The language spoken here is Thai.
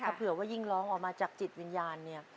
ถ้าเผื่อว่ายิ่งร้องออกมาจากจิตวิญญาณเนี่ย